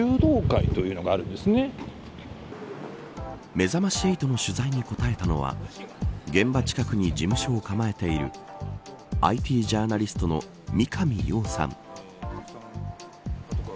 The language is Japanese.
めざまし８の取材に答えたのは現場近くに事務所を構えているＩＴジャーナリストの三上洋さん。